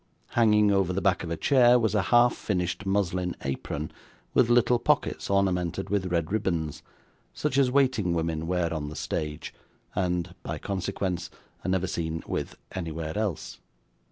Hanging over the back of a chair was a half finished muslin apron with little pockets ornamented with red ribbons, such as waiting women wear on the stage, and (by consequence) are never seen with anywhere else.